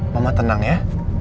mama tenang ya